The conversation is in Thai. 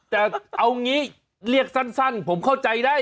แต่เอางี้เรียกสั้นผมเข้าใจได้